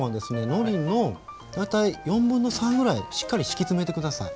のりの大体3/4ぐらいしっかり敷き詰めて下さい。